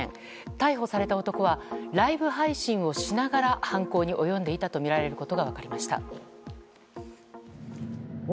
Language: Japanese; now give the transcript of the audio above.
逮捕された男はライブ配信をしながら犯行に及んでいたとみられることが分かりました。